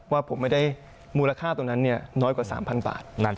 ว่าผมไม่ได้มูลค่าตรงนั้นน้อยกว่า๓๐๐บาท